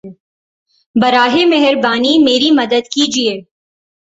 براہِ مہربانی میری مدد کیجیے